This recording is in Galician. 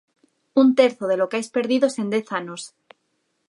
Un terzo de locais perdidos en dez anos.